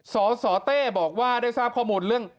สสเต้บอกว่าได้ทราบข้อมูลเรื่อง